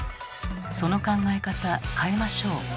その考え方変えましょう。